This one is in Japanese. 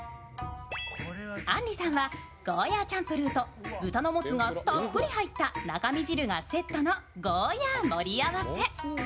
あんりさんは、ゴーヤチャンプルーと豚のもつがたっぷり入った中味汁がセットのゴーヤ盛り合わせ。